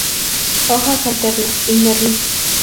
Hojas alternas, inermes.